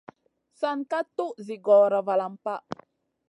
San ka tuʼ zi gora valam pa.